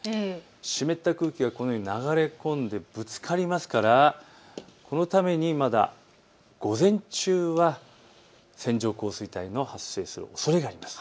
湿った空気がこのように流れ込んで、ぶつかりますからこのためにまだ午前中は線状降水帯の発生するおそれがあります。